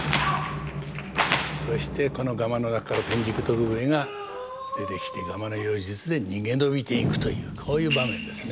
そしてこのガマの中から天竺徳兵衛が出てきてガマの妖術で逃げ延びていくというこういう場面ですね。